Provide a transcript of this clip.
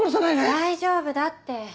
大丈夫だって。